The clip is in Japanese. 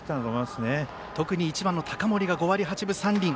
特に１番の高森が５割８分４厘。